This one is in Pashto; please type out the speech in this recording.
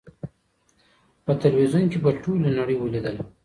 په ټلویزیون کي په ټولي نړۍ ولیدله